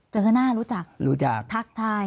เจอหน้ารู้จักทักทาย